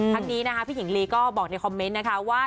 ทั้งนี้นะคะพี่หญิงลีก็บอกในคอมเมนต์นะคะว่า